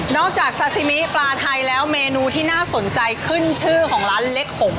จากซาซิมิปลาไทยแล้วเมนูที่น่าสนใจขึ้นชื่อของร้านเล็กหง